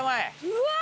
うわ！